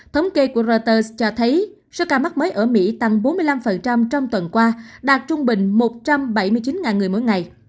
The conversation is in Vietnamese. thống kê của reuters cho thấy số ca mắc mới ở mỹ tăng bốn mươi năm trong tuần qua đạt trung bình một trăm bảy mươi chín người mỗi ngày